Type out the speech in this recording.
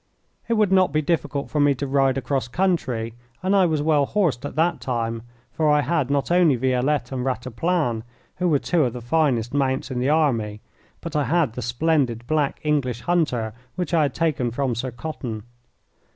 It would not be difficult for me to ride across country, and I was well horsed at that time, for I had not only Violette and Rataplan, who were two of the finest mounts in the army, but I had the splendid black English hunter which I had taken from Sir Cotton.